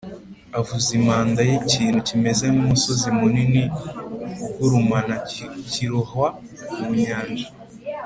avuza impanda ye Ikintu kimeze nk umusozi munini b ugurumana kirohwa mu nyanja